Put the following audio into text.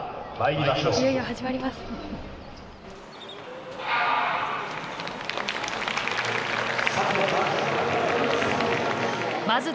いよいよ始まります。